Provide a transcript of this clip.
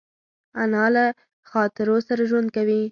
انا له خاطرو سره ژوند کوي